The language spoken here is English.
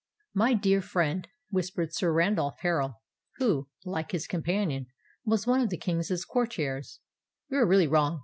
"My dear friend," whispered Sir Randolph Harral—who, like his companion, was one of the King's courtiers, "you are really wrong.